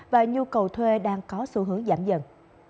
và nhu cầu thuê đang có xu hướng giảm dần